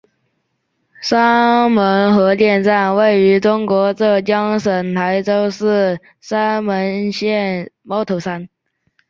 三门核电站位于中国浙江省台州市三门县猫头山。